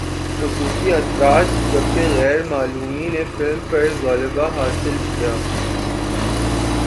خصوصی اثرات جبکہ غیر معمولی نے فلم پر غلبہ حاصل کیا